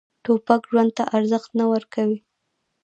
توپک ژوند ته ارزښت نه ورکوي.